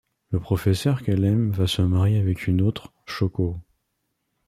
Le professeur qu'elle aime va se marier avec une autre, Shôko.